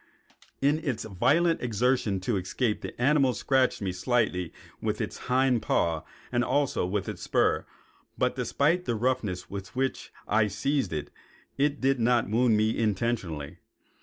In its violent exertions to escape the animal scratched me slightly with its hind paws and also with its spur, but despite the roughness with which I seized it, it did not wound me intentionally.